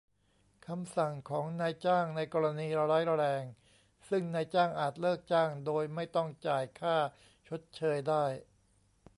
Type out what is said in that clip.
คำสั่งของนายจ้างในกรณีร้ายแรง ซึ่งนายจ้างอาจเลิกจ้างโดยไม่ต้องจ่ายค่าชดเชยได้